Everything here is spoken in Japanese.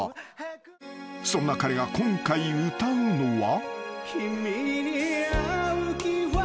［そんな彼が今回歌うのは］